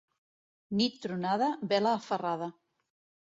Nit tronada, vela aferrada.